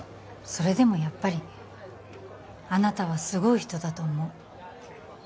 それでもやっぱりあなたはすごい人だと思う